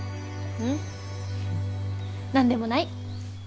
ううん何でもない。